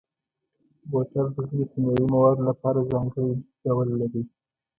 بوتل د ځینو کیمیاوي موادو لپاره ځانګړی ډول لري.